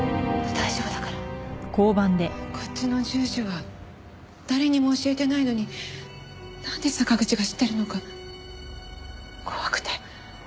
大丈夫だから。こっちの住所は誰にも教えてないのになんで坂口が知ってるのか怖くて。